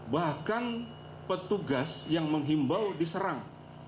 bahkan petugas yang menghimbau diserang